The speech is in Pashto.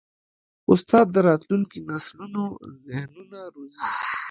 استاد د راتلونکي نسلونو ذهنونه روزي.